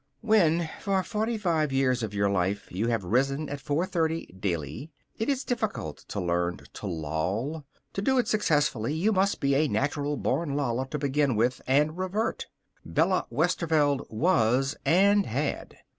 When for forty five years of your life you have risen at four thirty daily, it is difficult to learn to loll. To do it successfully, you must be a natural born loller to begin with and revert. Bella Westerveld was and had.